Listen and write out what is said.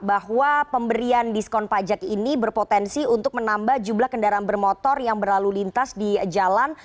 bahwa pemberian diskon pajak ini berpotensi untuk menambah jumlah kendaraan bermotor yang berlalu lintas di jalan